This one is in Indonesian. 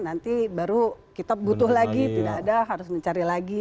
nanti baru kita butuh lagi tidak ada harus mencari lagi